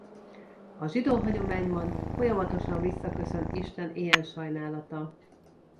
A zsidó hagyományban folyamatosan visszaköszön Isten ilyen sajnálata.